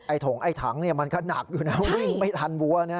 ไอ้ถงไอ้ถังมันก็หนักอยู่นะวิ่งไม่ทันวัว